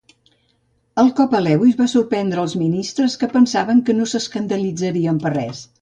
El cop a Lewis va sorprendre els ministres que pensaven que no s'escandalitzarien per res.